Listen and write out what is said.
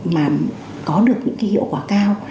mà có được những hiệu quả cao